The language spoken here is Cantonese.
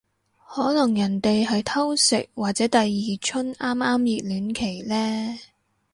可能人哋係偷食或者第二春啱啱熱戀期呢